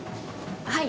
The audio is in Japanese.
はい。